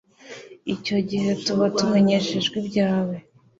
icyo gihe tuba tumenyeshejwe ibyawe